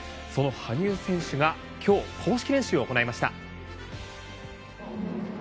その羽生選手が今日、公式練習を行いました。